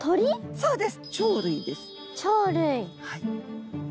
そうです！